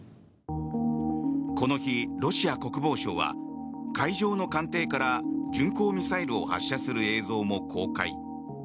この日、ロシア国防省は海上の艦艇から巡航ミサイルを発射する映像も公開。